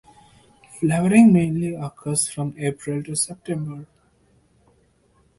Flowering mainly occurs from April to September.